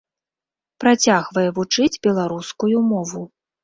Працягвае вучыць беларускую мову.